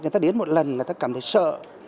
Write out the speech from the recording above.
người ta đến một lần người ta cảm thấy sợ